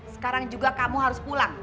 sekarang juga kamu harus pulang